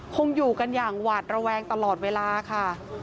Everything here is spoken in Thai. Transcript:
คงอยู่กันอย่างหวาดระแวงตลอดเวลาค่ะ